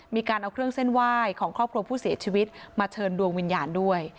มีการเอาเครื่องเส้นไหว้ของครอบครัวผู้เสียชีวิตมาเชิญดวงวิญญาณด้วย